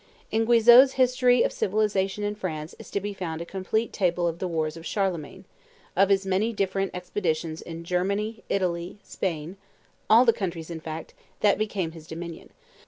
In Guizot's History of Civilization in France is to be found a complete table of the wars of Charlemagne, of his many different expeditions in Germany, Italy, Spain, all the countries, in fact, that became his dominion.